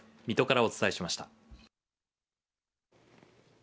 水戸からお伝えしました。